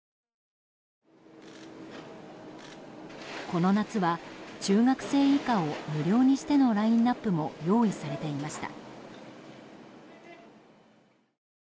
この夏は中学生以下を無料にしてのラインアップも用意されていました。